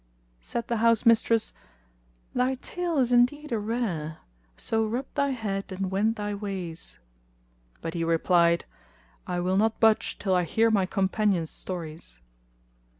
Said the house mistress, "Thy tale is indeed a rare; so rub thy head and wend thy ways;" but he replied, "I will not budge till I hear my companions' stories."